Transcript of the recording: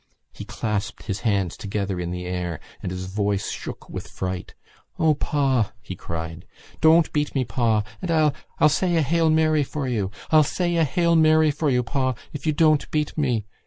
He clasped his hands together in the air and his voice shook with fright. "O, pa!" he cried. "Don't beat me, pa! And I'll ... I'll say a Hail Mary for you.... I'll say a Hail Mary for you, pa, if you don't beat me....